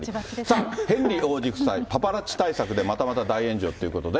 さあ、ヘンリー王子夫妻、パパラッチ対策で大炎上ということで。